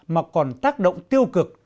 mà còn tác động tiêu cực